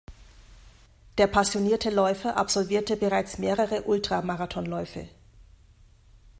Der passionierte Läufer absolvierte bereits mehrere Ultra-Marathonläufe.